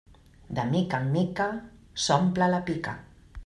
De mica en mica s'omple la pica.